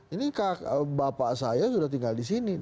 ini bapak saya sudah tinggal di sini